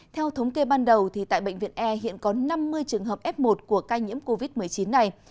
theo thống kê ban đầu tại bệnh viện e hiện có năm mươi trường hợp f một của ca nhiễm covid một mươi chín này